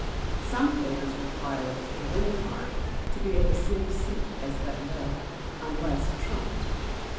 _Some players require the winning card to be of the same suit as that led, unless trumped.